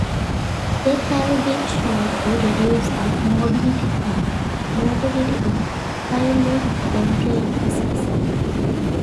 They have been shown to reduce the morbidity and mortality of hyaline membrane disease.